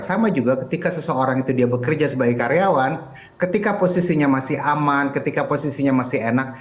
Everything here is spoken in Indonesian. sama juga ketika seseorang itu dia bekerja sebagai karyawan ketika posisinya masih aman ketika posisinya masih enak